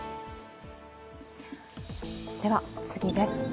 では次です。